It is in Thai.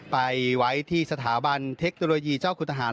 ไปไว้ที่สถาบันเทคโนโลยีเจ้าคุณทหาร